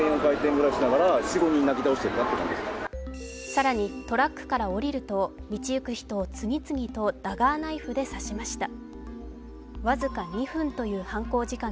更にトラックから降りると道行く人を次々とダガーナイフで刺しました。